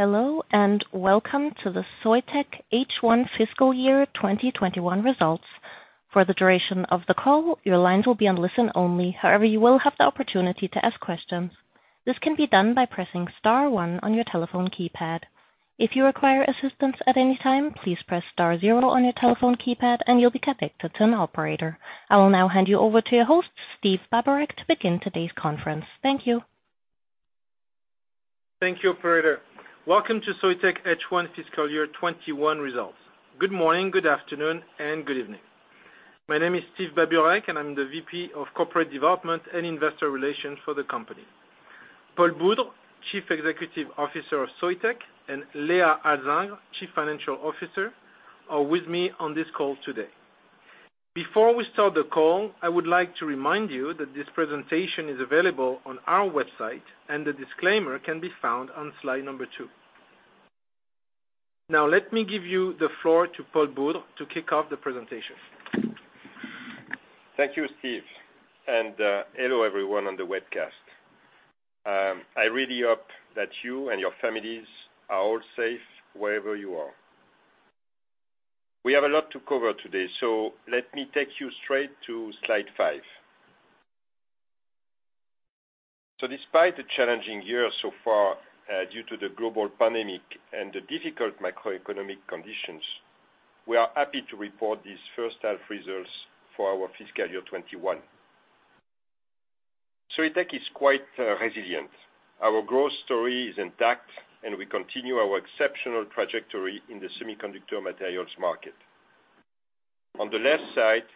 Hello and welcome to the Soitec H1 fiscal year 2021 results. For the duration of the call, your lines will be on listen only; however, you will have the opportunity to ask questions. This can be done by pressing star one on your telephone keypad. If you require assistance at any time, please press star zero on your telephone keypad, and you'll be connected to an operator. I will now hand you over to your host, Steve Babureck, to begin today's conference. Thank you. Thank you, Operator. Welcome to Soitec H1 fiscal year 2021 results. Good morning, good afternoon, and good evening. My name is Steve Babureck, and I'm the VP of Corporate Development and Investor Relations for the company. Paul Boudre, Chief Executive Officer of Soitec, and Léa Alzingre, Chief Financial Officer, are with me on this call today. Before we start the call, I would like to remind you that this presentation is available on our website, and the disclaimer can be found on slide number two. Now, let me give you the floor to Paul Boudre to kick off the presentation. Thank you, Steve, and hello everyone on the webcast. I really hope that you and your families are all safe wherever you are. We have a lot to cover today, so let me take you straight to slide five. So, despite the challenging year so far due to the global pandemic and the difficult macroeconomic conditions, we are happy to report these first-half results for our fiscal year 2021. Soitec is quite resilient. Our growth story is intact, and we continue our exceptional trajectory in the semiconductor materials market. On the left side,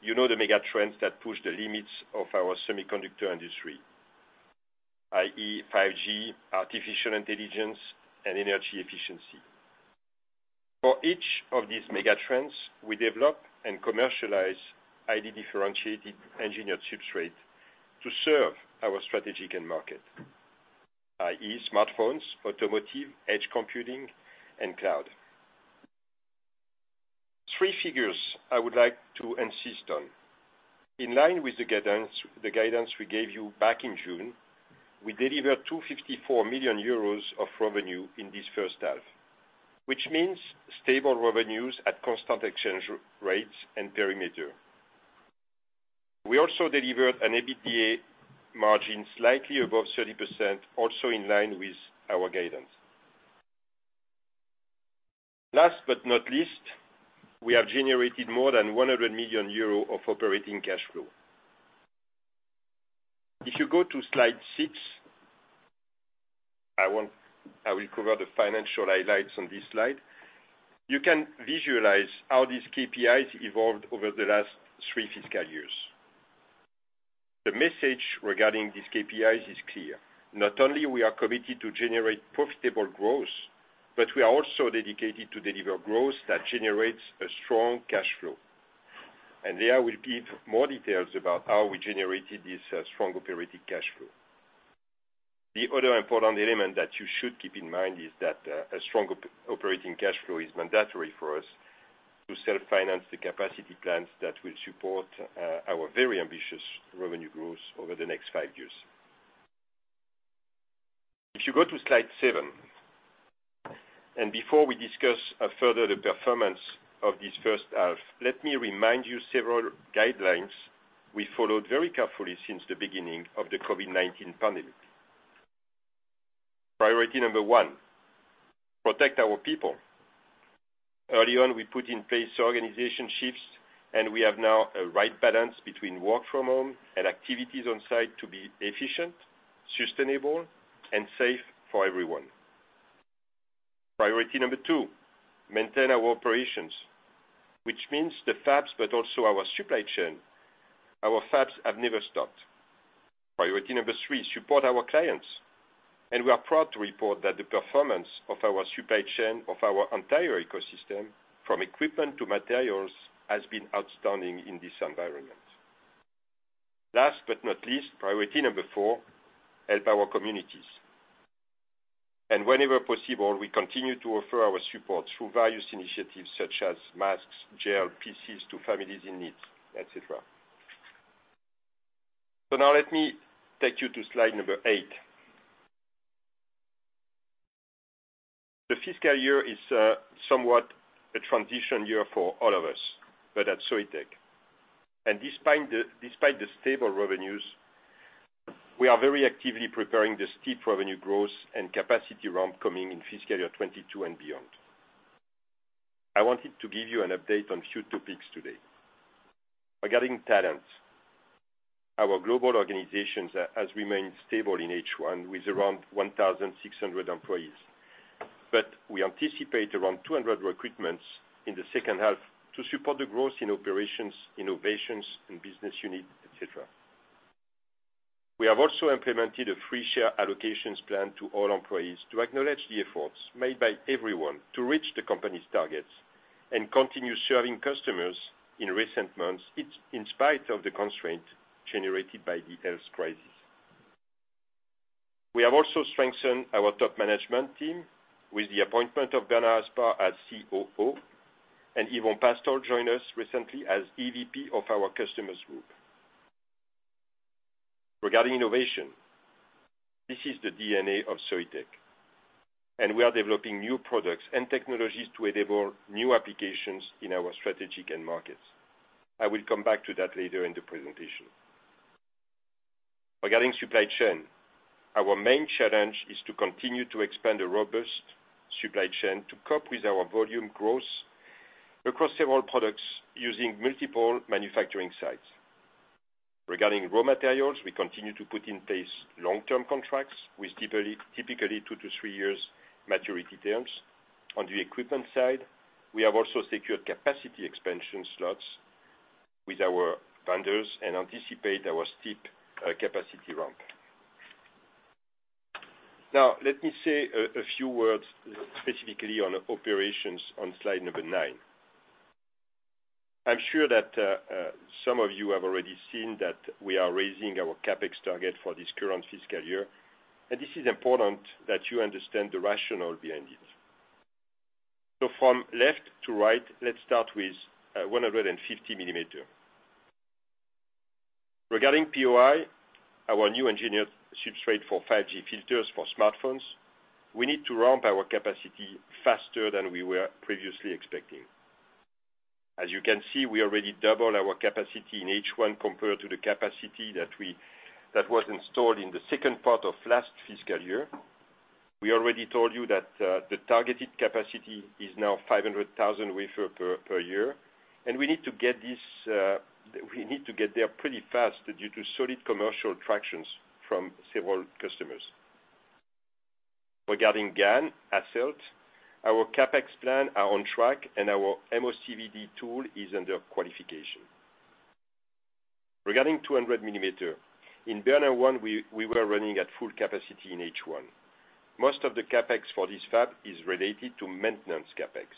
you know the mega trends that push the limits of our semiconductor industry, i.e., 5G, artificial intelligence, and energy efficiency. For each of these mega trends, we develop and commercialize highly differentiated engineered substrates to serve our strategic end market, i.e., smartphones, automotive, edge computing, and cloud. Three figures I would like to insist on. In line with the guidance we gave you back in June, we delivered 254 million euros of revenue in this first half, which means stable revenues at constant exchange rates and perimeter. We also delivered an EBITDA margin slightly above 30%, also in line with our guidance. Last but not least, we have generated more than 100 million euros of operating cash flow. If you go to slide six, I will cover the financial highlights on this slide. You can visualize how these KPIs evolved over the last three fiscal years. The message regarding these KPIs is clear. Not only are we committed to generate profitable growth, but we are also dedicated to deliver growth that generates a strong cash flow, and Léa will give more details about how we generated this strong operating cash flow. The other important element that you should keep in mind is that a strong operating cash flow is mandatory for us to self-finance the capacity plans that will support our very ambitious revenue growth over the next five years. If you go to slide seven, and before we discuss further the performance of this first half, let me remind you of several guidelines we followed very carefully since the beginning of the COVID-19 pandemic. Priority number one: protect our people. Early on, we put in place organizational shifts, and we have now the right balance between work from home and activities on site to be efficient, sustainable, and safe for everyone. Priority number two: maintain our operations, which means the fabs, but also our supply chain. Our fabs have never stopped. Priority number three: support our clients. We are proud to report that the performance of our supply chain of our entire ecosystem, from equipment to materials, has been outstanding in this environment. Last but not least, priority number four: help our communities. Whenever possible, we continue to offer our support through various initiatives such as masks, gel, PCs to families in need, etc. Now let me take you to slide number eight. The fiscal year is somewhat a transition year for all of us, but at Soitec. Despite the stable revenues, we are very actively preparing the steep revenue growth and capacity ramp coming in fiscal year 2022 and beyond. I wanted to give you an update on a few topics today. Regarding talent, our global organization has remained stable in H1 with around 1,600 employees, but we anticipate around 200 recruitments in the second half to support the growth in operations, innovations, and business unit, etc. We have also implemented a free share allocations plan to all employees to acknowledge the efforts made by everyone to reach the company's targets and continue serving customers in recent months in spite of the constraints generated by the health crisis. We have also strengthened our top management team with the appointment of Bernard Aspar as COO, and Yvon Pastol joined us recently as EVP of our Customer Group. Regarding innovation, this is the DNA of Soitec, and we are developing new products and technologies to enable new applications in our strategic end markets. I will come back to that later in the presentation. Regarding supply chain, our main challenge is to continue to expand a robust supply chain to cope with our volume growth across several products using multiple manufacturing sites. Regarding raw materials, we continue to put in place long-term contracts with typically two to three years' maturity terms. On the equipment side, we have also secured capacity expansion slots with our vendors and anticipate our steep capacity ramp. Now, let me say a few words specifically on operations on slide number nine. I'm sure that some of you have already seen that we are raising our CapEx target for this current fiscal year, and this is important that you understand the rationale behind it, so from left to right, let's start with 150 mm. Regarding POI, our new engineered substrate for 5G filters for smartphones, we need to ramp our capacity faster than we were previously expecting. As you can see, we already doubled our capacity in H1 compared to the capacity that was installed in the second part of last fiscal year. We already told you that the targeted capacity is now 500,000 wafers per year, and we need to get there pretty fast due to solid commercial tractions from several customers. Regarding GaN, Hasselt, our CapEx plan is on track, and our MOCVD tool is under qualification. Regarding 200 mm, in Bernin 1, we were running at full capacity in H1. Most of the CapEx for this fab is related to maintenance CapEx.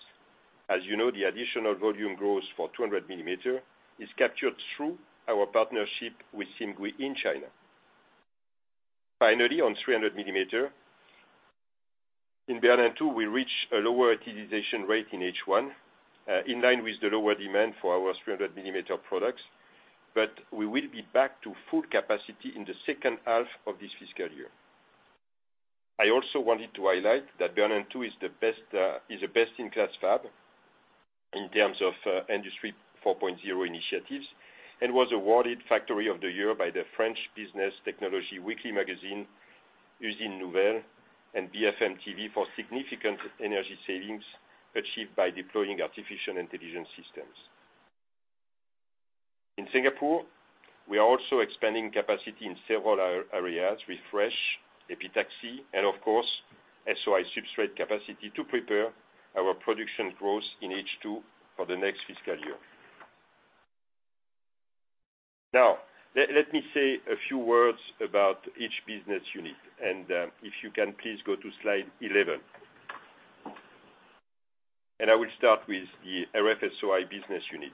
As you know, the additional volume growth for 200 mm is captured through our partnership with Simgui in China. Finally, on 300-mm, in Bernin 2, we reach a lower utilization rate in H1 in line with the lower demand for our 300-mm products, but we will be back to full capacity in the second half of this fiscal year. I also wanted to highlight that Bernin 2 is the best-in-class fab in terms of Industry 4.0 initiatives and was awarded Factory of the Year by the French business technology weekly magazine L'Usine Nouvelle and BFM TV for significant energy savings achieved by deploying artificial intelligence systems. In Singapore, we are also expanding capacity in several areas: RF, epitaxy, and of course, SOI substrate capacity to prepare our production growth in H2 for the next fiscal year. Now, let me say a few words about each business unit, and if you can, please go to slide 11, and I will start with the RF-SOI business unit.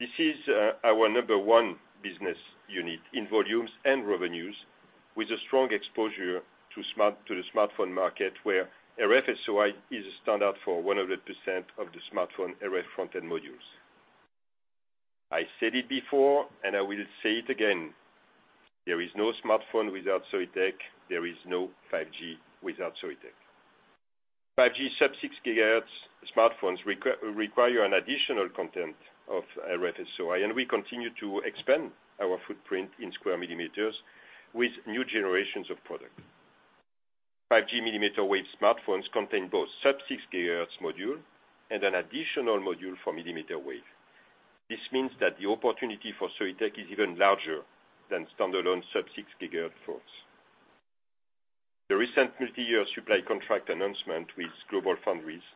This is our number one business unit in volumes and revenues, with a strong exposure to the smartphone market, where RF-SOI is a standard for 100% of the smartphone RF front-end modules. I said it before, and I will say it again: there is no smartphone without Soitec. There is no 5G without Soitec. 5G sub-6 gigahertz smartphones require an additional content of RF-SOI, and we continue to expand our footprint in sq mm with new generations of products. 5G millimeter wave smartphones contain both sub-6 gigahertz modules and an additional module for millimeter wave. This means that the opportunity for Soitec is even larger than standalone sub-6 gigahertz phones. The recent multi-year supply contract announcement with GlobalFoundries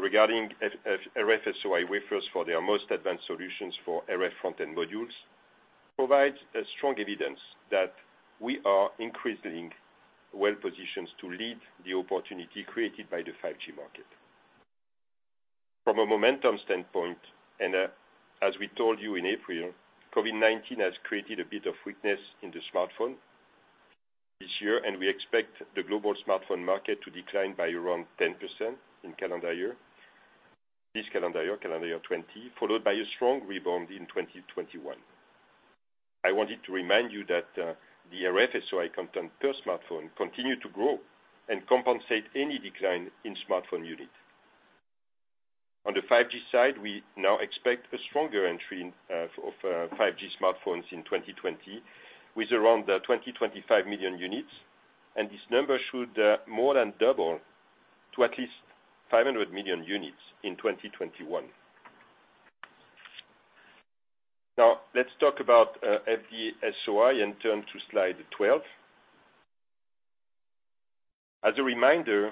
regarding RF-SOI wafers for their most advanced solutions for RF front-end modules provides strong evidence that we are increasingly well-positioned to lead the opportunity created by the 5G market. From a momentum standpoint, and as we told you in April, COVID-19 has created a bit of weakness in the smartphone this year, and we expect the global smartphone market to decline by around 10% in calendar year, this calendar year, calendar year 2020, followed by a strong rebound in 2021. I wanted to remind you that the RF-SOI content per smartphone continues to grow and compensate any decline in smartphone unit. On the 5G side, we now expect a stronger entry of 5G smartphones in 2020 with around 20 million-25 million units, and this number should more than double to at least 500 million units in 2021. Now, let's talk about FD-SOI and turn to slide 12. As a reminder,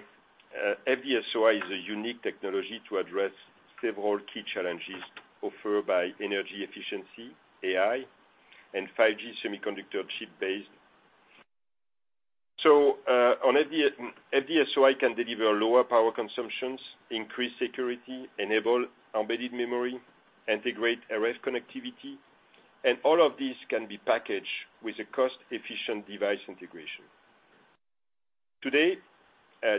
FD-SOI is a unique technology to address several key challenges offered by energy efficiency, AI, and 5G semiconductor chip-based. So FD-SOI can deliver lower power consumptions, increase security, enable embedded memory, integrate RF connectivity, and all of these can be packaged with a cost-efficient device integration. Today,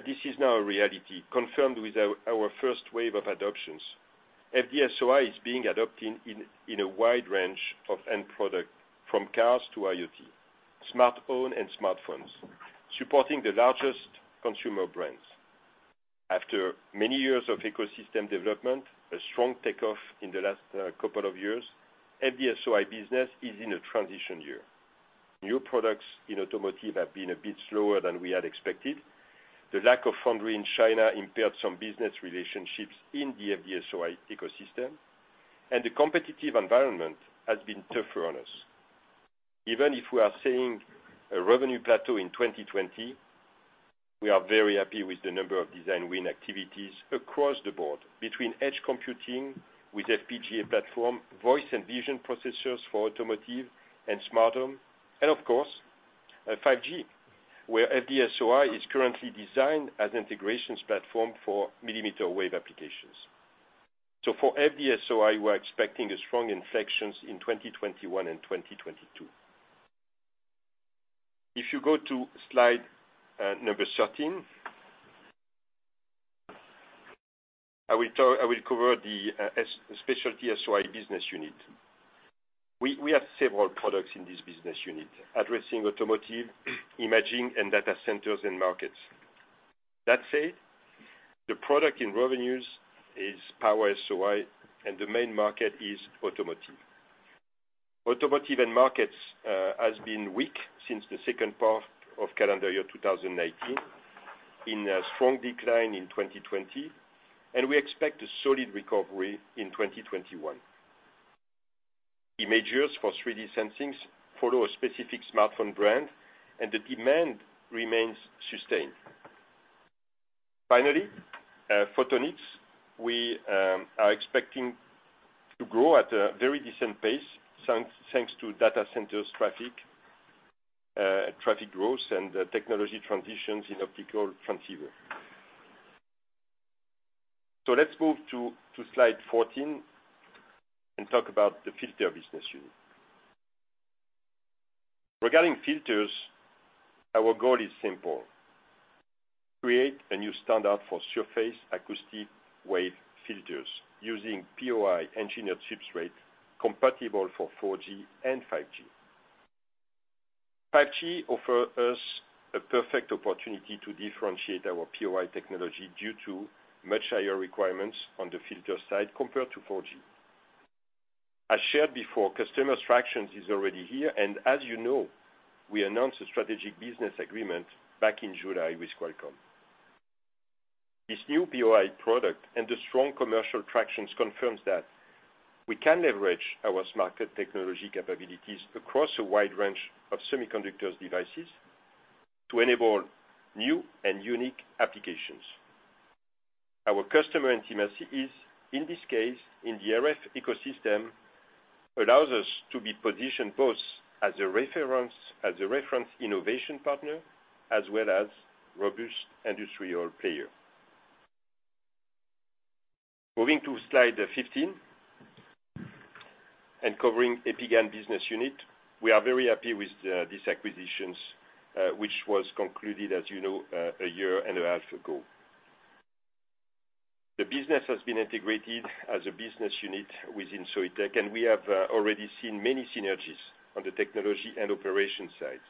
this is now a reality confirmed with our first wave of adoptions. FD-SOI is being adopted in a wide range of end products, from cars to IoT, smartphones, supporting the largest consumer brands. After many years of ecosystem development, a strong takeoff in the last couple of years, FD-SOI business is in a transition year. New products in automotive have been a bit slower than we had expected. The lack of foundry in China impaired some business relationships in the FD-SOI ecosystem, and the competitive environment has been tougher on us. Even if we are seeing a revenue plateau in 2020, we are very happy with the number of design win activities across the board between edge computing with FPGA platform, voice and vision processors for automotive and smart home, and of course, 5G, where FD-SOI is currently designed as an integration platform for millimeter wave applications, so for FD-SOI, we are expecting strong inflections in 2021 and 2022. If you go to slide number 13, I will cover the specialty SOI business unit. We have several products in this business unit addressing automotive, imaging, and data centers and markets. That said, the product in revenues is Power SOI, and the main market is automotive. Automotive and markets have been weak since the second part of calendar year 2019, in a strong decline in 2020, and we expect a solid recovery in 2021. Imagers for 3D sensing follow a specific smartphone brand, and the demand remains sustained. Finally, photonics, we are expecting to grow at a very decent pace thanks to data centers' traffic growth and technology transitions in optical transceiver, so let's move to slide 14 and talk about the filter business unit. Regarding filters, our goal is simple: create a new standard for surface acoustic wave filters using POI engineered substrate compatible for 4G and 5G. 5G offers us a perfect opportunity to differentiate our POI technology due to much higher requirements on the filter side compared to 4G. As shared before, customer traction is already here, and as you know, we announced a strategic business agreement back in July with Qualcomm. This new POI product and the strong commercial tractions confirm that we can leverage our smart technology capabilities across a wide range of semiconductor devices to enable new and unique applications. Our customer intimacy, in this case in the RF ecosystem, allows us to be positioned both as a reference innovation partner as well as a robust industrial player. Moving to slide 15 and covering EpiGaN business unit, we are very happy with these acquisitions, which were concluded, as you know, a year and a half ago. The business has been integrated as a business unit within Soitec, and we have already seen many synergies on the technology and operation sides.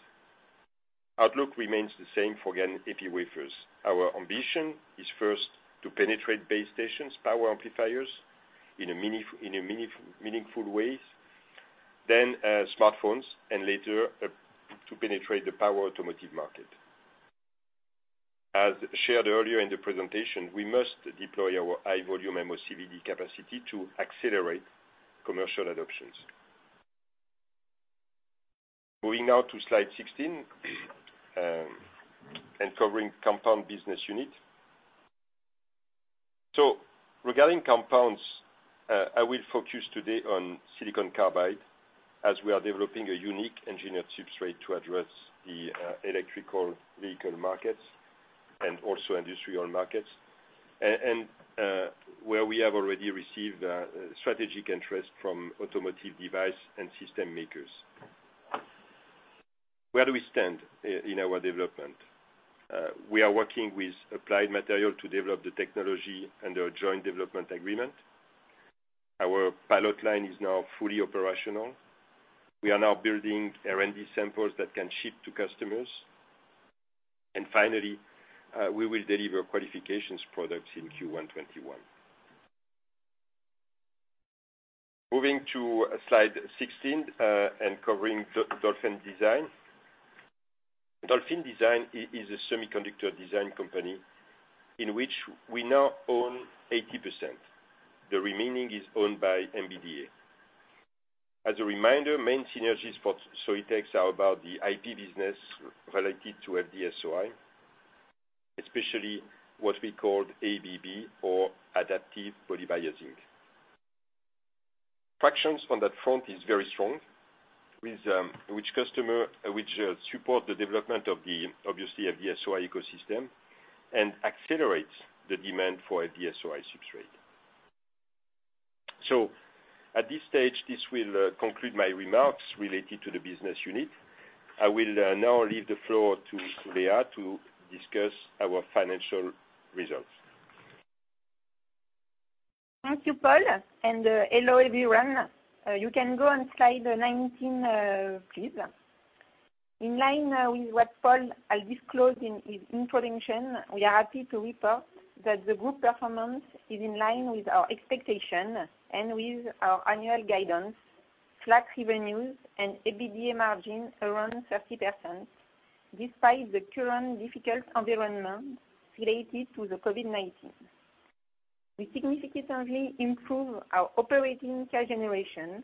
Outlook remains the same for GaN epiwafers. Our ambition is first to penetrate base stations, power amplifiers in meaningful ways, then smartphones, and later to penetrate the power automotive market. As shared earlier in the presentation, we must deploy our high-volume MOCVD capacity to accelerate commercial adoptions. Moving now to slide 16 and covering compound business unit. So regarding compounds, I will focus today on silicon carbide as we are developing a unique engineered substrate to address the electric vehicle markets and also industrial markets, and where we have already received strategic interest from automotive device and system makers. Where do we stand in our development? We are working with Applied Materials to develop the technology under a joint development agreement. Our pilot line is now fully operational. We are now building R&D samples that can ship to customers. And finally, we will deliver qualification products in Q121. Moving to slide 16 and covering Dolphin Design. Dolphin Design is a semiconductor design company in which we now own 80%. The remaining is owned by MBDA. As a reminder, main synergies for Soitec are about the IP business related to FD-SOI, especially what we called ABB or adaptive body biasing. Tractions on that front are very strong, which support the development of the, obviously, FD-SOI ecosystem and accelerate the demand for FD-SOI substrate. So at this stage, this will conclude my remarks related to the business unit. I will now leave the floor to Léa to discuss our financial results. Thank you, Paul. And hello, everyone. You can go on slide 19, please. In line with what Paul has disclosed in his introduction, we are happy to report that the group performance is in line with our expectation and with our annual guidance, flat revenues, and EBITDA margin around 30% despite the current difficult environment related to the COVID-19. We significantly improved our operating cash generation.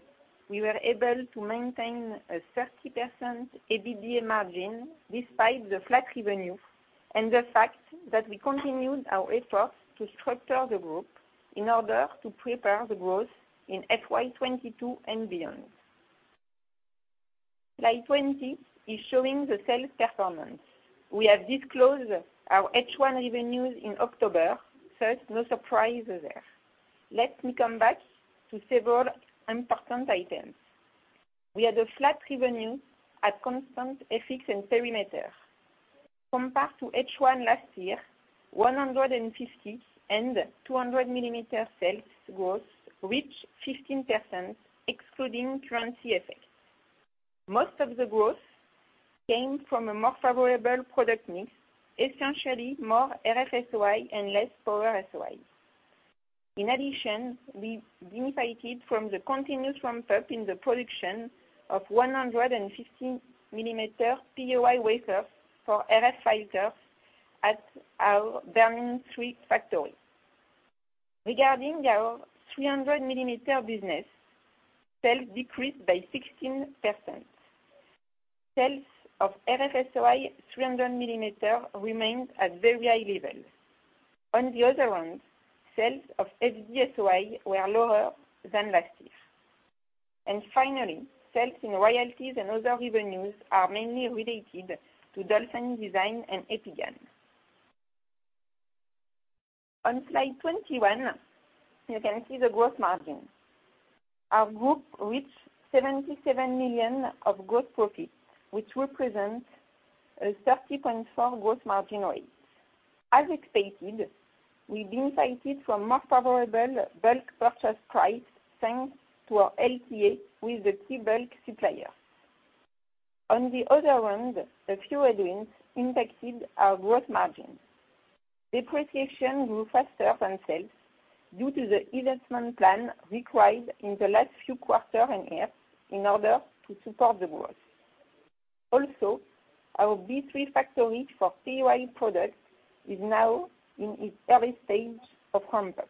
We were able to maintain a 30% EBITDA margin despite the flat revenue and the fact that we continued our efforts to structure the group in order to prepare the growth in FY 2022 and beyond. Slide 20 is showing the sales performance. We have disclosed our H1 revenues in October. So it's no surprise there. Let me come back to several important items. We had a flat revenue at constant FX and perimeter. Compared to H1 last year, 150 mm and 200 mm sales growth reached 15%, excluding currency effects. Most of the growth came from a more favorable product mix, essentially more RF-SOI and less Power SOI. In addition, we benefited from the continuous ramp-up in the production of 150 mm POI wafers for RF filters at our Bernin 3 factory. Regarding our 300 mm business, sales decreased by 16%. Sales of RF-SOI 300 millimeter remained at very high levels. On the other hand, sales of FD-SOI were lower than last year. And finally, sales in royalties and other revenues are mainly related to Dolphin Design and EpiGaN. On slide 21, you can see the gross margin. Our group reached 77 million of gross profit, which represents a 30.4% gross margin rate. As expected, we benefited from more favorable bulk purchase price thanks to our LTA with the key bulk supplier. On the other hand, a few headwinds impacted our gross margin. Depreciation grew faster than sales due to the investment plan required in the last few quarters and years in order to support the growth. Also, our B3 factory for POI products is now in its early stage of ramp-up.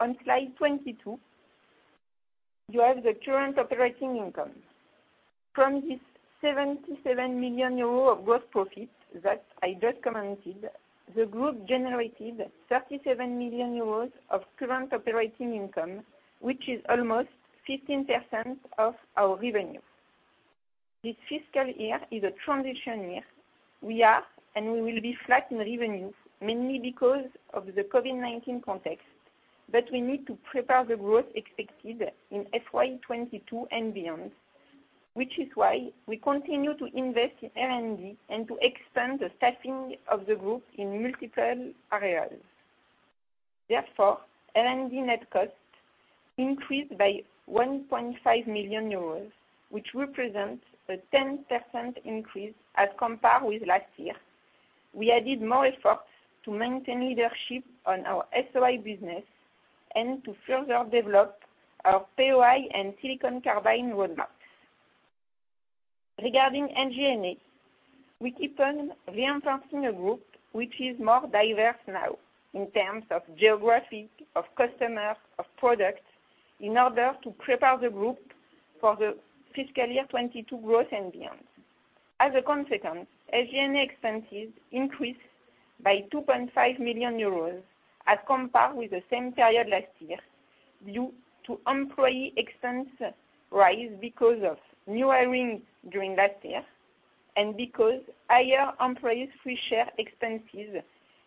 On slide 22, you have the current operating income. From this 77 million euros of gross profit that I just commented, the group generated 37 million euros of current operating income, which is almost 15% of our revenue. This fiscal year is a transition year. We are and we will be flat in revenue, mainly because of the COVID-19 context, but we need to prepare the growth expected in FY 2022 and beyond, which is why we continue to invest in R&D and to expand the staffing of the group in multiple areas. Therefore, R&D net cost increased by 1.5 million euros, which represents a 10% increase as compared with last year. We added more efforts to maintain leadership on our SOI business and to further develop our POI and silicon carbide roadmaps. Regarding SG&A, we keep on reinforcing the group, which is more diverse now in terms of geography, of customers, of products, in order to prepare the group for the fiscal year 2022 growth and beyond. As a consequence, SG&A expenses increased by 2.5 million euros as compared with the same period last year due to employee expense rise because of new hiring during last year and because of higher employee free share expenses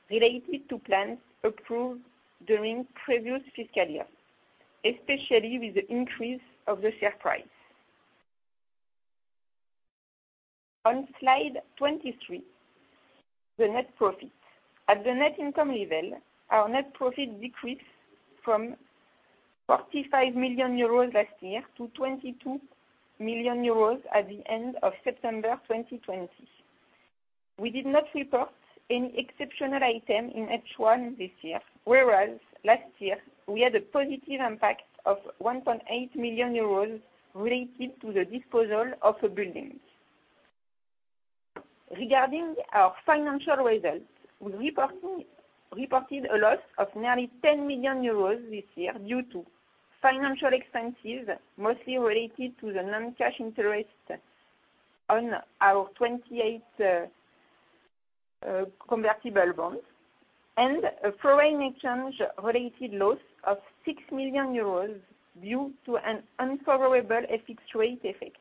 related to plans approved during the previous fiscal year, especially with the increase of the share price. On slide 23, the net profit. At the net income level, our net profit decreased from 45 million euros last year to 22 million euros at the end of September 2020. We did not report any exceptional item in H1 this year, whereas last year, we had a positive impact of 1.8 million euros related to the disposal of a building. Regarding our financial results, we reported a loss of nearly 10 million euros this year due to financial expenses mostly related to the non-cash interest on our 2028 convertible bonds and a foreign exchange-related loss of 6 million euros due to an unfavorable FX rate effect.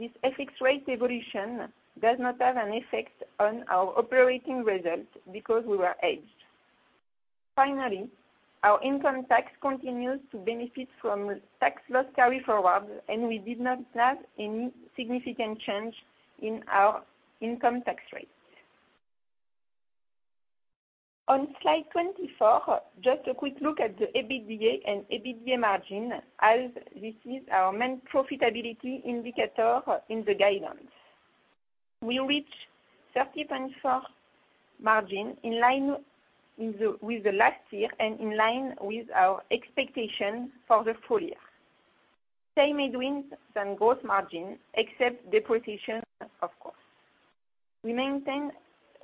This FX rate evolution does not have an effect on our operating result because we were hedged. Finally, our income tax continues to benefit from tax loss carry forward, and we did not have any significant change in our income tax rate. On slide 24, just a quick look at the EBITDA and EBITDA margin as this is our main profitability indicator in the guidance. We reached 30.4% margin in line with the last year and in line with our expectation for the full year. Same headwinds than gross margin, except depreciation, of course. We maintain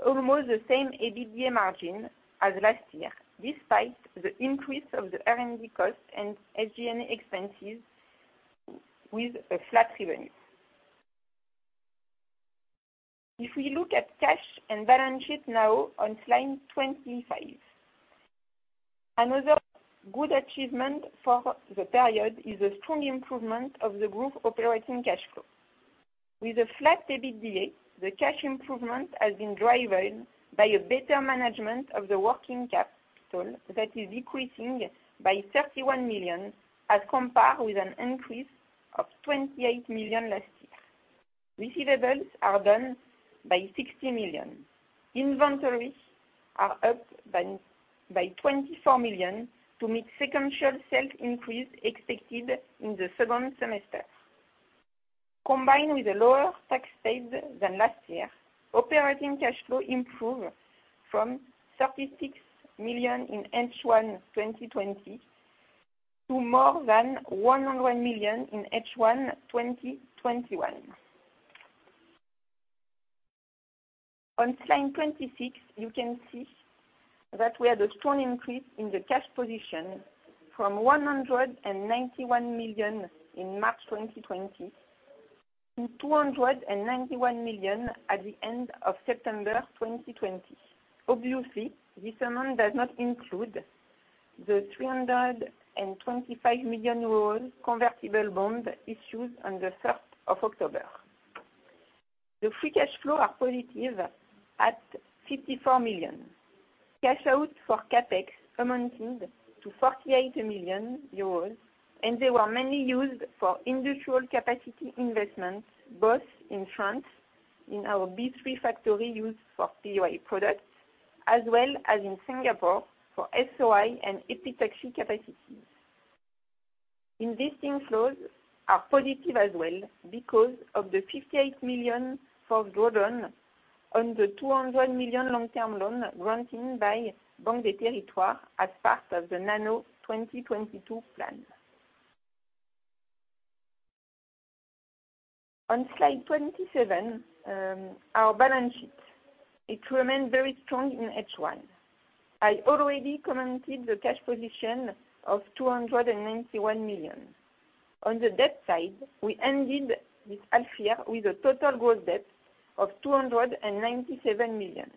almost the same EBITDA margin as last year despite the increase of the R&D cost and SG&A expenses with a flat revenue. If we look at cash and balance sheet now on slide 25, another good achievement for the period is the strong improvement of the group operating cash flow. With a flat EBITDA, the cash improvement has been driven by a better management of the working capital that is decreasing by 31 million as compared with an increase of 28 million last year. Receivables are down by 60 million. Inventories are up by 24 million to meet sequential sales increase expected in the second semester. Combined with a lower tax paid than last year, operating cash flow improved from 36 million in H1 2020 to more than 101 million in H1 2021. On slide 26, you can see that we had a strong increase in the cash position from 191 million in March 2020 to 291 million at the end of September 2020. Obviously, this amount does not include the 325 million euros convertible bond issued on the 1st of October. The free cash flow is positive at 54 million. Cash out for Capex amounted to 48 million euros, and they were mainly used for industrial capacity investment, both in France in our Bernin 3 factory used for POI products as well as in Singapore for SOI and Epitaxy capacities. Investing flows are positive as well because of the 58 million drawn on the 200 million long-term loan granted by Banque des Territoires as part of the Nano 2022 plan. On slide 27, our balance sheet, it remained very strong in H1. I already commented on the cash position of 291 million. On the debt side, we ended this half year with a total gross debt of 297 million.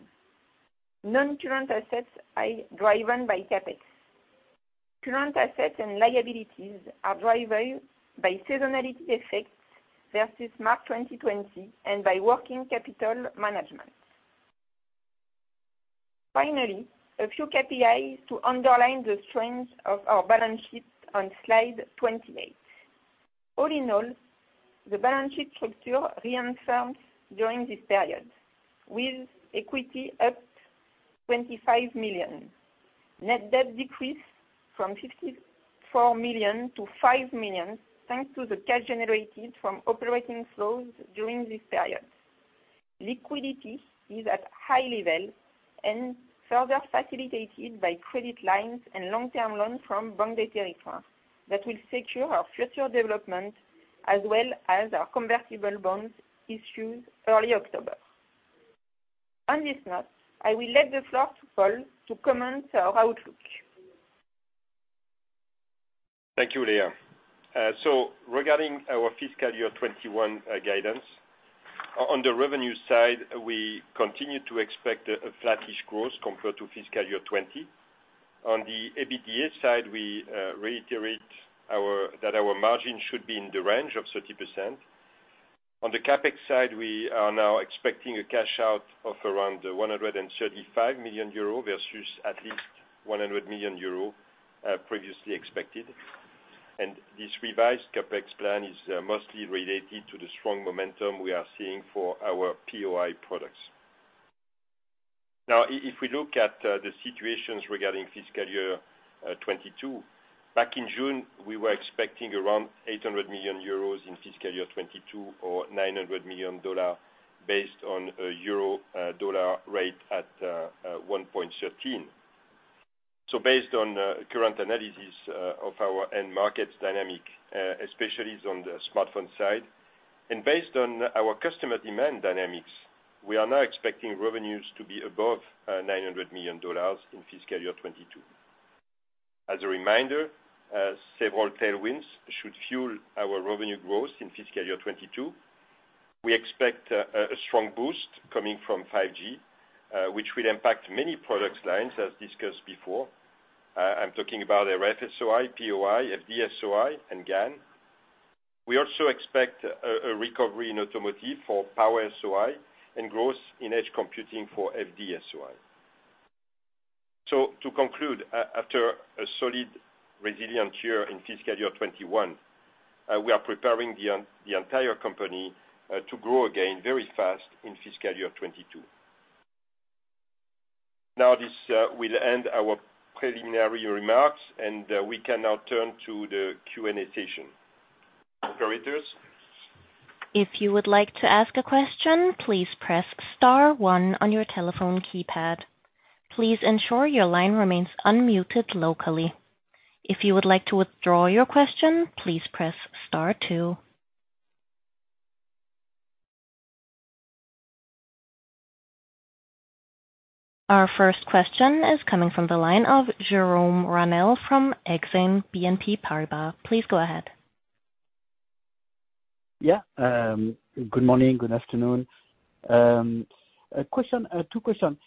Non-current assets are driven by CapEx. Current assets and liabilities are driven by seasonality effects versus March 2020 and by working capital management. Finally, a few KPIs to underline the strength of our balance sheet on slide 28. All in all, the balance sheet structure reinforced during this period with equity up 25 million. Net debt decreased from 54 million to 5 million thanks to the cash generated from operating flows during this period. Liquidity is at a high level and further facilitated by credit lines and long-term loans from Banque des Territoires that will secure our future development as well as our convertible bonds issued early October. On this note, I will give the floor to Paul to comment on our outlook. Thank you, Léa. So regarding our fiscal year 2021 guidance, on the revenue side, we continue to expect a flat-ish growth compared to fiscal year 2020. On the EBITDA side, we reiterate that our margin should be in the range of 30%. On the CapEx side, we are now expecting a cash out of around 135 million euro versus at least 100 million euro previously expected. And this revised CapEx plan is mostly related to the strong momentum we are seeing for our POI products. Now, if we look at the situations regarding fiscal year 2022, back in June, we were expecting around 800 million euros in fiscal year 2022 or $900 million based on a euro-dollar rate at 1.13. Based on current analysis of our end markets dynamic, especially on the smartphone side, and based on our customer demand dynamics, we are now expecting revenues to be above $900 million in fiscal year 2022. As a reminder, several tailwinds should fuel our revenue growth in fiscal year 22. We expect a strong boost coming from 5G, which will impact many product lines as discussed before. I'm talking about RF-SOI, POI, FD-SOI, and GaN. We also expect a recovery in automotive for Power SOI and growth in edge computing for FD-SOI. So to conclude, after a solid, resilient year in fiscal year 2021, we are preparing the entire company to grow again very fast in fiscal year 2022. Now, this will end our preliminary remarks, and we can now turn to the Q&A session. Operator. If you would like to ask a question, please press star one on your telephone keypad. Please ensure your line remains unmuted locally. If you would like to withdraw your question, please press star two. Our first question is coming from the line of Jérôme Ramel from Exane BNP Paribas. Please go ahead. Yeah. Good morning, good afternoon. Two questions.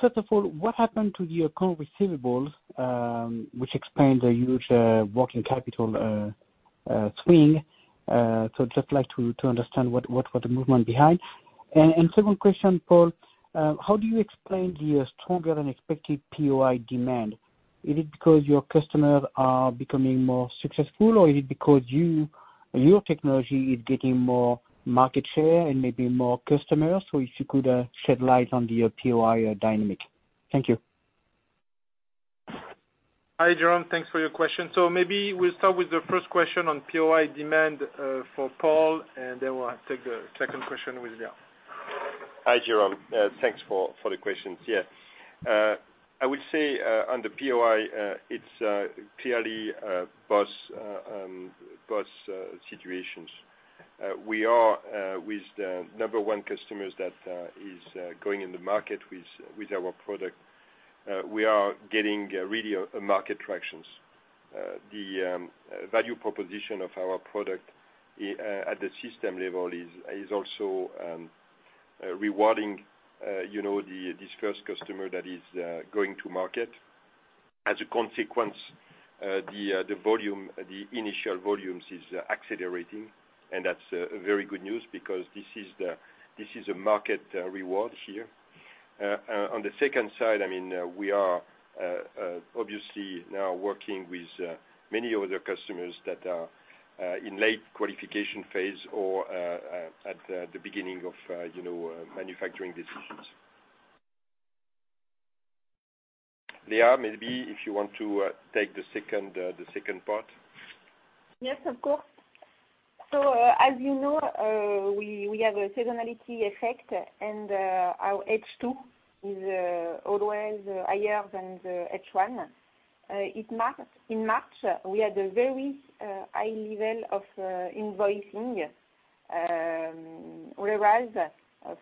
First of all, what happened to the current receivables, which explains the huge working capital swing? So I'd just like to understand what was the movement behind. And second question, Paul, how do you explain the stronger-than-expected POI demand? Is it because your customers are becoming more successful, or is it because your technology is getting more market share and maybe more customers? So if you could shed light on the POI dynamic? Thank you. Hi, Jérôme. Thanks for your question. So maybe we'll start with the first question on POI demand for Paul, and then we'll take the second question with Léa. Hi, Jérôme. Thanks for the questions. Yeah. I would say on the POI, it's clearly both situations. We are with the number one customers that is going in the market with our product. We are getting really market tractions. The value proposition of our product at the system level is also rewarding this first customer that is going to market. As a consequence, the initial volumes are accelerating, and that's very good news because this is a market reward here. On the second side, I mean, we are obviously now working with many other customers that are in late qualification phase or at the beginning of manufacturing decisions. Léa, maybe if you want to take the second part. Yes, of course. So as you know, we have a seasonality effect, and our H2 is always higher than the H1. In March, we had a very high level of invoicing, whereas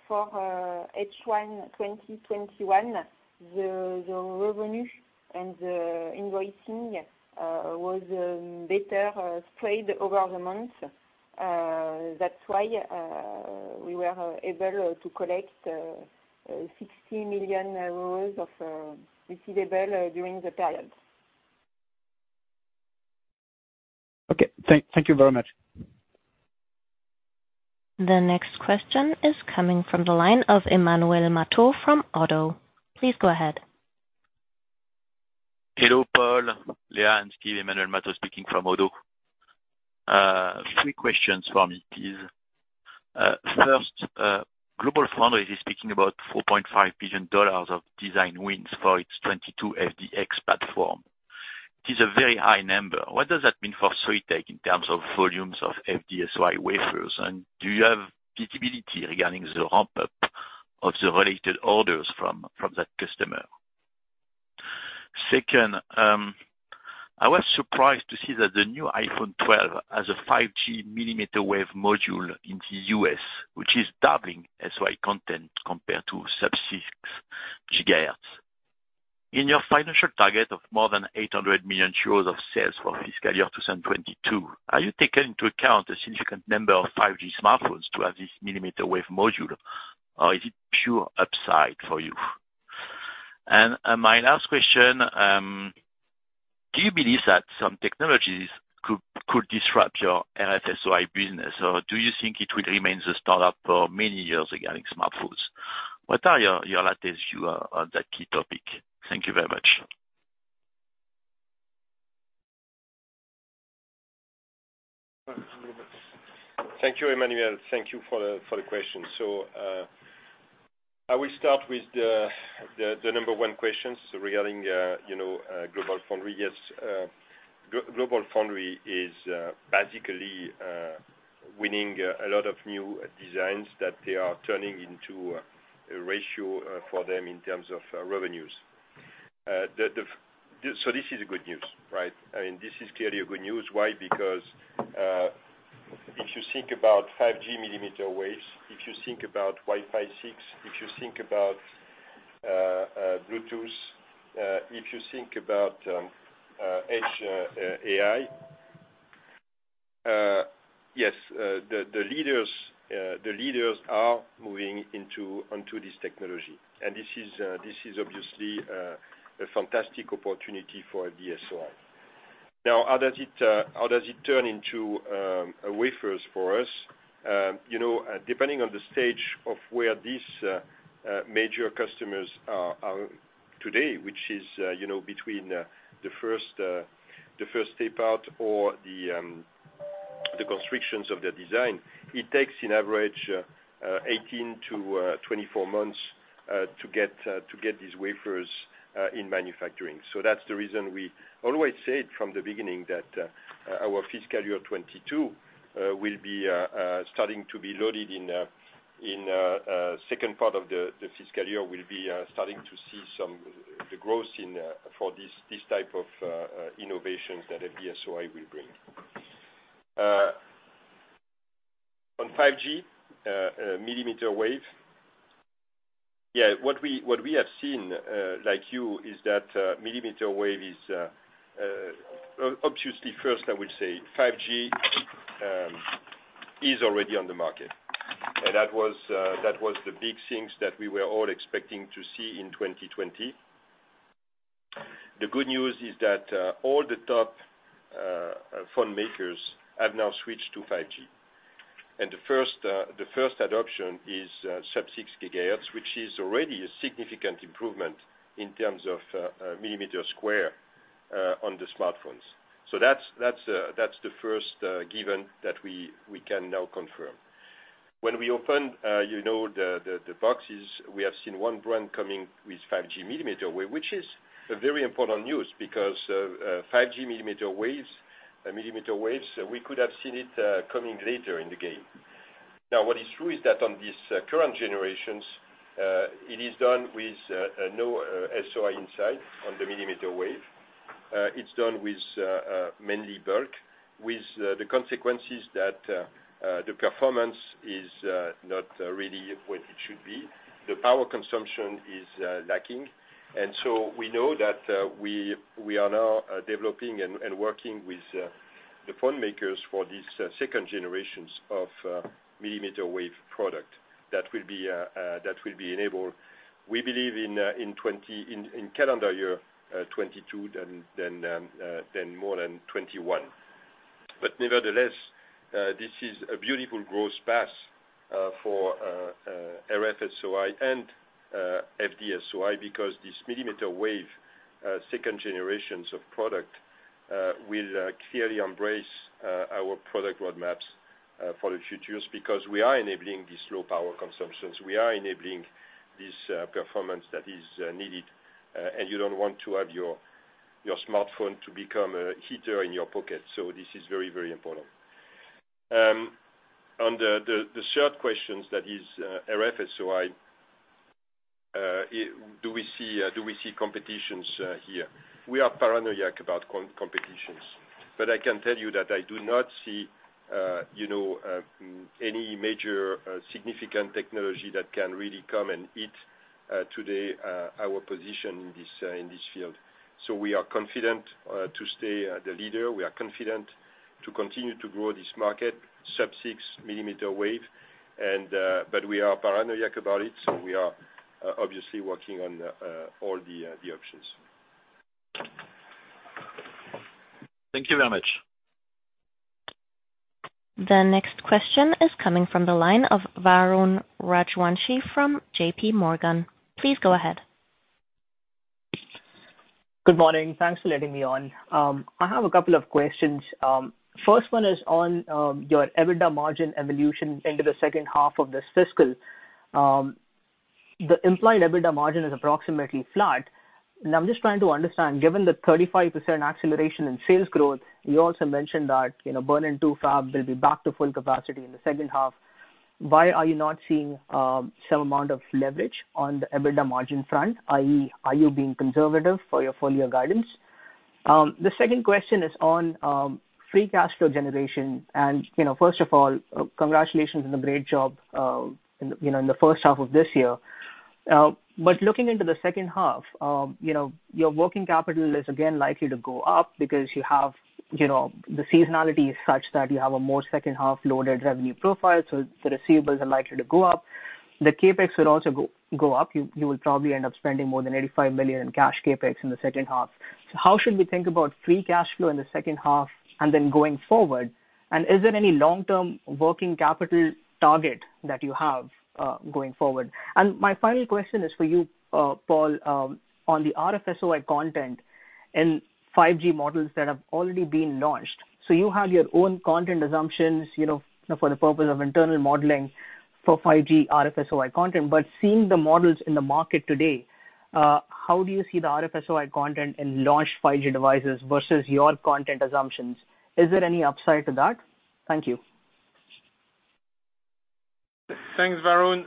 for H1 2021, the revenue and the invoicing was better spread over the months. That's why we were able to collect 60 million euros of receivables during the period. Okay. Thank you very much. The next question is coming from the line of Emmanuel Matot from Oddo. Please go ahead. Hello, Paul. Léa and Steve, Emmanuel Matot speaking from Oddo. Three questions for me, please. First, GlobalFoundries is speaking about $4.5 billion of design wins for its 22FDX platform. It is a very high number. What does that mean for Soitec in terms of volumes of FD-SOI wafers? And do you have visibility regarding the ramp-up of the related orders from that customer? Second, I was surprised to see that the new iPhone 12 has a 5G mm wave module in the U.S., which is doubling SOI content compared to sub-6 gigahertz. In your financial target of more than 800 million euros of sales for fiscal year 2022, are you taking into account a significant number of 5G smartphones to have this millimeter wave module, or is it pure upside for you? And my last question, do you believe that some technologies could disrupt your RF-SOI business, or do you think it will remain the standard for many years regarding smartphones? What are your latest views on that key topic? Thank you very much. Thank you, Emmanuel. Thank you for the question. So I will start with the number one questions regarding GlobalFoundries. Yes. GlobalFoundries is basically winning a lot of new designs that they are turning into a ratio for them in terms of revenues. So this is good news, right? I mean, this is clearly good news. Why? Because if you think about 5G millimeter waves, if you think about Wi-Fi 6, if you think about Bluetooth, if you think about edge AI, yes, the leaders are moving onto this technology. And this is obviously a fantastic opportunity for FD-SOI. Now, how does it turn into wafers for us? Depending on the stage of where these major customers are today, which is between the first tape-out or the construction of their design, it takes on average 18 months-24 months to get these wafers in manufacturing. So that's the reason we always said from the beginning that our fiscal year 2022 will be starting to be loaded in the second part of the fiscal year and will be starting to see some growth for this type of innovations that FD-SOI will bring. On 5G millimeter wave, yeah, what we have seen, like you, is that millimeter wave is obviously first. I will say, 5G is already on the market. And that was the big things that we were all expecting to see in 2020. The good news is that all the top phone makers have now switched to 5G. The first adoption is sub-6 gigahertz, which is already a significant improvement in terms of millimeter wave on the smartphones. That's the first given that we can now confirm. When we opened the boxes, we have seen one brand coming with 5G millimeter wave, which is very important news because 5G millimeter waves, we could have seen it coming later in the game. Now, what is true is that on these current generations, it is done with no SOI inside on the millimeter wave. It's done with mainly bulk, with the consequences that the performance is not really what it should be. The power consumption is lacking. We know that we are now developing and working with the phone makers for these second generations of millimeter wave product that will be enabled, we believe, in calendar year 2022 then more than 2021. But nevertheless, this is a beautiful growth path for RF-SOI and FD-SOI because these millimeter wave second generations of product will clearly embrace our product roadmaps for the futures because we are enabling these low power consumptions. We are enabling this performance that is needed. And you don't want to have your smartphone to become a heater in your pocket. So this is very, very important. On the third question, that is RF-SOI, do we see competitions here? We are paranoiac about competitions. But I can tell you that I do not see any major significant technology that can really come and eat today our position in this field. So we are confident to stay the leader. We are confident to continue to grow this market, sub-6 mm wave. But we are paranoiac about it. So we are obviously working on all the options. Thank you very much. The next question is coming from the line of Varun Rajwanshi from JPMorgan. Please go ahead. Good morning. Thanks for letting me on. I have a couple of questions. First one is on your EBITDA margin evolution into the second half of this fiscal. The implied EBITDA margin is approximately flat, and I'm just trying to understand, given the 35% acceleration in sales growth, you also mentioned that Bernin 2 fab will be back to full capacity in the second half. Why are you not seeing some amount of leverage on the EBITDA margin front? Are you being conservative for your full-year guidance? The second question is on free cash flow generation, and first of all, congratulations on the great job in the first half of this year. But looking into the second half, your working capital is again likely to go up because you have the seasonality is such that you have a more second-half loaded revenue profile. So the receivables are likely to go up. The CapEx would also go up. You will probably end up spending more than 85 million in cash CapEx in the second half. So how should we think about free cash flow in the second half and then going forward? And is there any long-term working capital target that you have going forward? And my final question is for you, Paul, on the RF-SOI content and 5G models that have already been launched. So you have your own content assumptions for the purpose of internal modeling for 5G RF-SOI content. But seeing the models in the market today, how do you see the RF-SOI content in launched 5G devices versus your content assumptions? Is there any upside to that? Thank you. Thanks, Varun.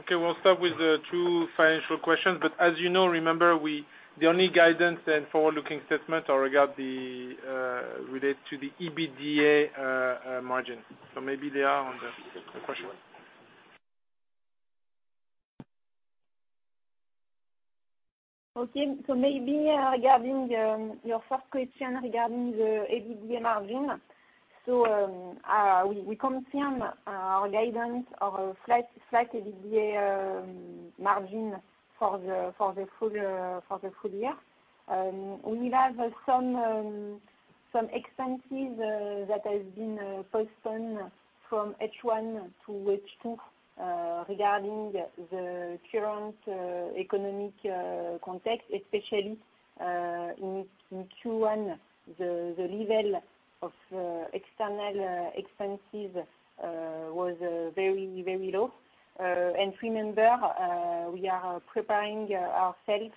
Okay. We'll start with the two financial questions. But as you know, remember, the only guidance and forward-looking statements are related to the EBITDA margin. So maybe they are on the question. Okay. So maybe regarding your first question regarding the EBITDA margin, so we confirm our guidance or flat EBITDA margin for the full year. We have some expenses that have been postponed from H1 to H2 regarding the current economic context, especially in Q1. The level of external expenses was very, very low. And remember, we are preparing ourselves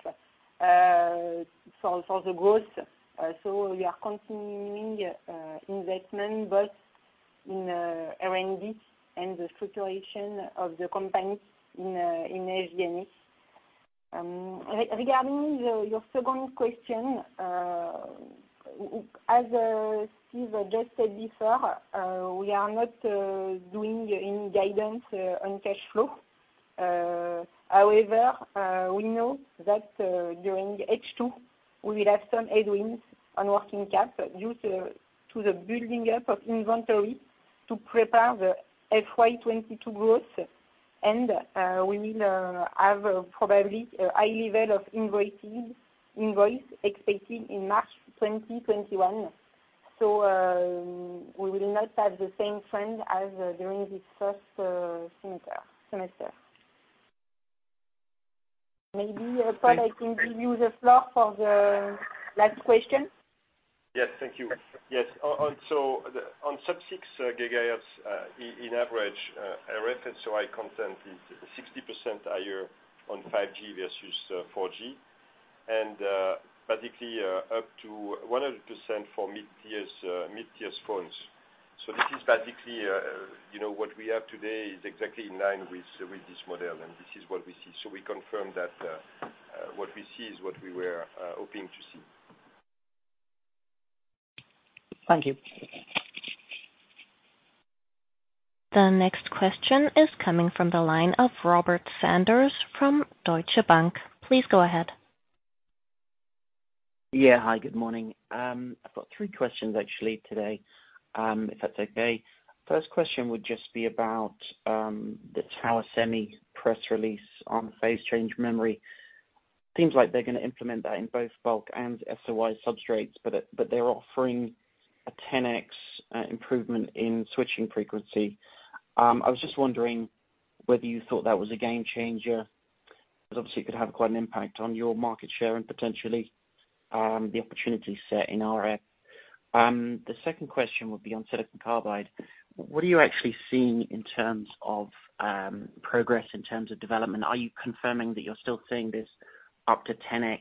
for the growth. So we are continuing investment both in R&D and the structuration of the company in SG&A. Regarding your second question, as Steve just said before, we are not doing any guidance on cash flow. However, we know that during H2, we will have some headwinds on working cap due to the building up of inventory to prepare the FY 2022 growth. And we will have probably a high level of invoices expected in March 2021. So we will not have the same trend as during this first semester. Maybe, Paul, I can give you the floor for the last question. Yes. Thank you. Yes. So on sub-6 GHz, on average, RF-SOI content is 60% higher on 5G versus 4G, and basically up to 100% for mid-tier phones. So this is basically what we have today is exactly in line with this model. And this is what we see. So we confirm that what we see is what we were hoping to see. Thank you. The next question is coming from the line of Robert Sanders from Deutsche Bank. Please go ahead. Yeah. Hi. Good morning. I've got three questions, actually, today, if that's okay. First question would just be about the Tower Semi press release on phase change memory. It seems like they're going to implement that in both bulk and SOI substrates, but they're offering a 10x improvement in switching frequency. I was just wondering whether you thought that was a game changer because, obviously, it could have quite an impact on your market share and potentially the opportunity set in RF. The second question would be on silicon carbide. What are you actually seeing in terms of progress in terms of development? Are you confirming that you're still seeing this up to 10x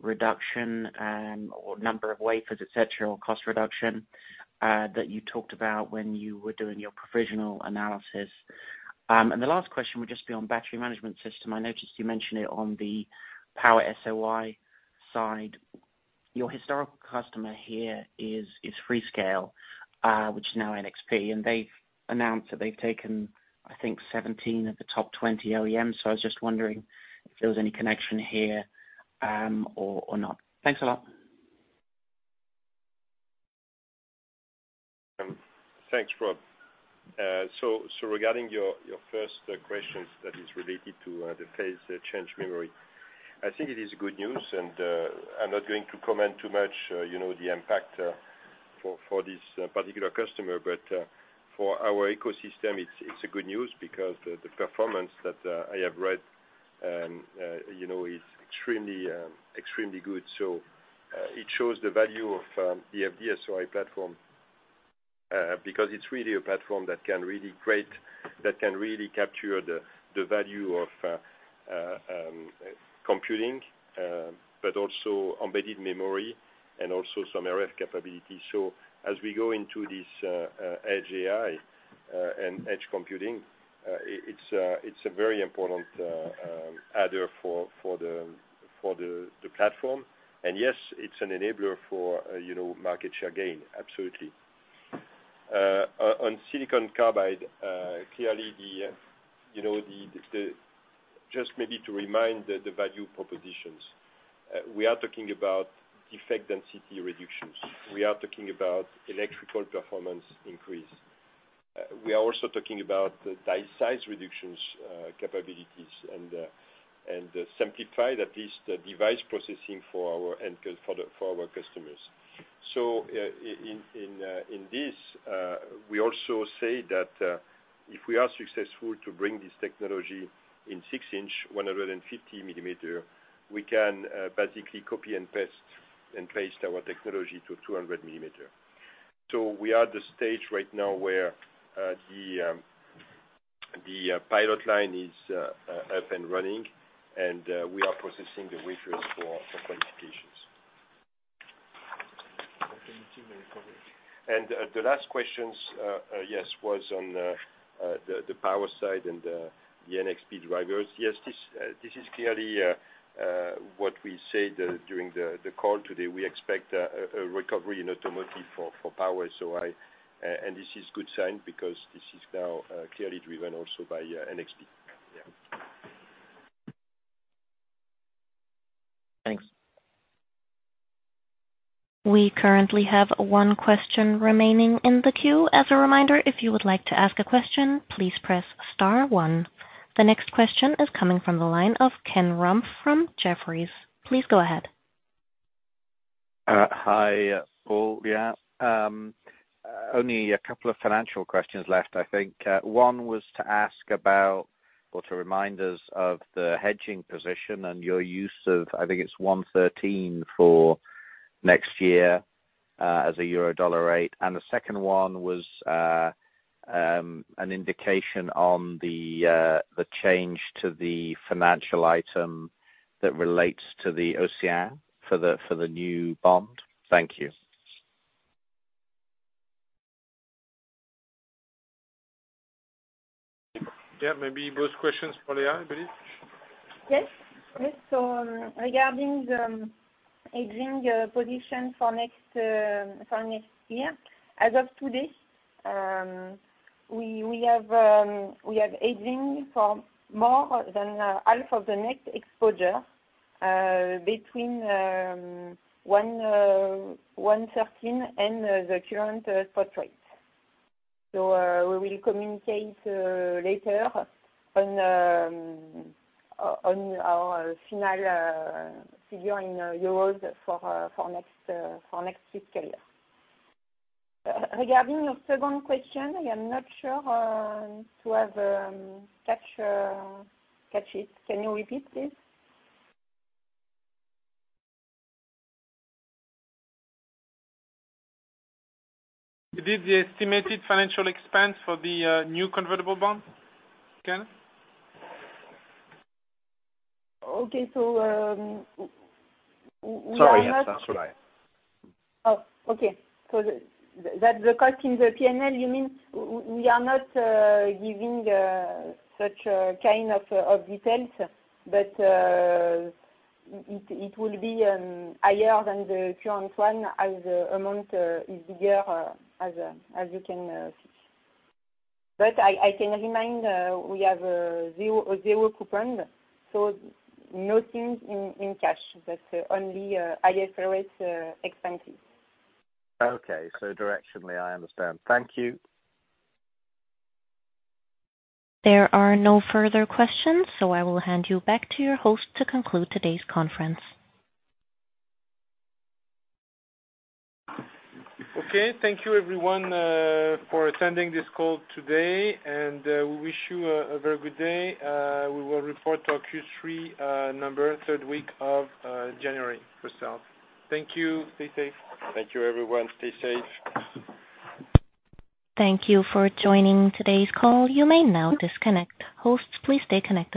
reduction or number of wafers, etc., or cost reduction that you talked about when you were doing your provisional analysis? And the last question would just be on battery management system. I noticed you mentioned it on the Power SOI side. Your historical customer here is Freescale, which is now NXP. And they've announced that they've taken, I think, 17 of the top 20 OEMs. So I was just wondering if there was any connection here or not. Thanks a lot. Thanks, Rob. So regarding your first question that is related to the Phase-Change Memory, I think it is good news. And I'm not going to comment too much on the impact for this particular customer. But for our ecosystem, it's good news because the performance that I have read is extremely good. So it shows the value of the FD-SOI platform because it's really a platform that can really capture the value of computing, but also embedded memory, and also some RF capability. So as we go into this edge AI and edge computing, it's a very important add-on for the platform. And yes, it's an enabler for market share gain. Absolutely. On silicon carbide, clearly, just maybe to remind the value propositions, we are talking about defect density reductions. We are talking about electrical performance increase. We are also talking about die size reduction capabilities and simplifying at least device processing for our customers. So in this, we also say that if we are successful to bring this technology in six-inch, 150 mm, we can basically copy and paste our technology to 200 mm. So we are at the stage right now where the pilot line is up and running, and we are processing the wafers for qualifications. And the last question, yes, was on the power side and the NXP drivers. Yes, this is clearly what we said during the call today. We expect a recovery in automotive for Power SOI. And this is a good sign because this is now clearly driven also by NXP. Yeah. Thanks. We currently have one question remaining in the queue. As a reminder, if you would like to ask a question, please press star one. The next question is coming from the line of Ken Rumph from Jefferies. Please go ahead. Hi, Paul. Yeah. Only a couple of financial questions left, I think. One was to ask about or to remind us of the hedging position and your use of, I think it's 1.13 for next year as a Euro-Dollar rate. And the second one was an indication on the change to the financial item that relates to the OCEANE for the new bond. Thank you. Yeah. Maybe both questions for Léa, I believe. Yes. So regarding the hedging position for next year, as of today, we have hedging for more than half of the net exposure between 1.13 and the current spot rate. So we will communicate later on our final figure in euros for next fiscal year. Regarding your second question, I am not sure to have catch it. Can you repeat, please? Did you estimate the financial expense for the new convertible bond, Ken? Okay. So we are not. Sorry. I'm sorry. Oh, okay. So the cost in the P&L, you mean we are not giving such kind of details, but it will be higher than the current one as the amount is bigger as you can see. But I can remind we have zero coupons. So nothing in cash. That's only IFRS expenses. Okay. So directionally, I understand. Thank you. There are no further questions, so I will hand you back to your host to conclude today's conference. Okay. Thank you, everyone, for attending this call today. And we wish you a very good day. We will report to Q3 number third week of January for start. Thank you. Stay safe. Thank you, everyone. Stay safe. Thank you for joining today's call. You may now disconnect. Hosts, please stay connected.